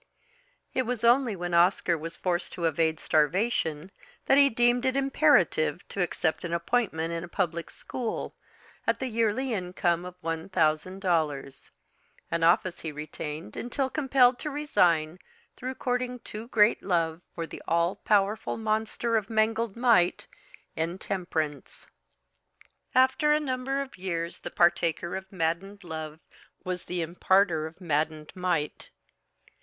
It was only when Oscar was forced to evade starvation that he deemed it imperative to accept an appointment in a public school, at the yearly income of one thousand dollars, an office he retained until compelled to resign through courting too great love for the all powerful monster of mangled might Intemperance. After a number of years the partaker of maddened love was the imparter of maddened might.